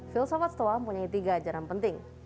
filsawat stoa punya tiga ajaran penting